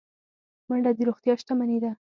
منډه د روغتیا شتمني ده